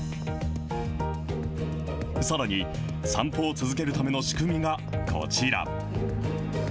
さらに、散歩を続けるための仕組みがこちら。